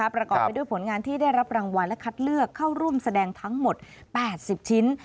ประกอบไปด้วยผลงานที่ได้รับรางวัลและคัดเลือกเข้าร่วมแสดงทั้งหมด๘๐ชิ้น